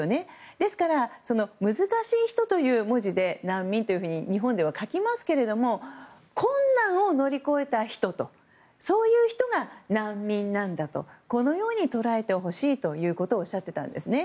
ですから、難しい人という文字で難民と日本では書きますが困難を乗り越えた人とそういう人が難民なんだとこのように捉えてほしいとおっしゃっていたんですね。